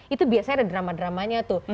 itu biasanya ada drama dramanya tuh